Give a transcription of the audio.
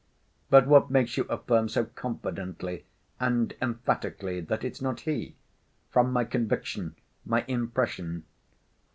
"But what makes you affirm so confidently and emphatically that it's not he?" "From my conviction—my impression.